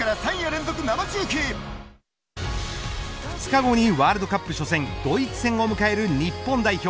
２日後にワールドカップ初戦ドイツ戦を迎える日本代表。